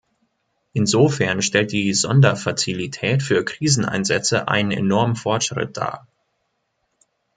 Insofern stellt die Sonderfazilität für Kriseneinsätze einen enormen Fortschritt dar.